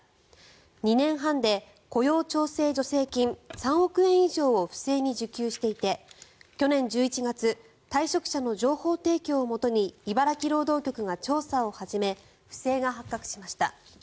２年半で雇用調整助成金３億円以上を不正に受給していて去年１１月退職者の情報提供をもとに茨城労働局が調査を始め不正が発覚しました。